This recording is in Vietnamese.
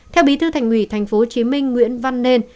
theo bí thư thành ủy tp hcm nguyễn văn nên